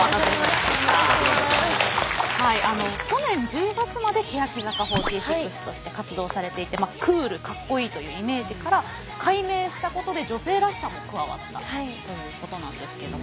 去年１０月まで欅坂４６として活動されていてクールかっこいいというイメージから改名したことで女性らしさも加わったということなんですけども。